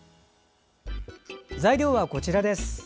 材料は、こちらです。